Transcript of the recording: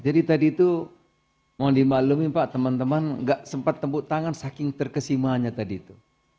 jadi tadi itu mohon dimaklumi pak teman teman enggak sempat temuk tangan saking terkesimanya tadi itu